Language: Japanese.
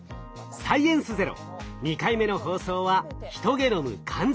「サイエンスＺＥＲＯ」２回目の放送は「ヒトゲノム完全解読」でした。